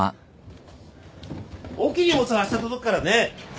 大きい荷物はあした届くからね。